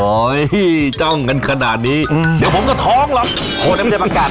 อ๋อเฮ้ยเจ้าเอาเงินขนาดนี้เดี๋ยวผมก็ท้องหลับโอ้นั่นไม่ใช่ประกัด